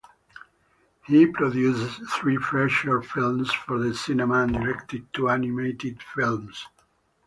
He produced three feature films for the cinema and directed two animated films.